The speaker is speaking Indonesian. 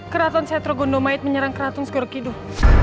keraton setro gondomait menyerang keraton skorokidul